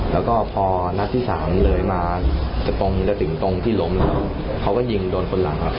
แล้วก็พอนัดที่สามเหลยมาจากตรงจะถึงตรงที่ล้มแล้วเขาก็ยิงโดนคนหลังครับ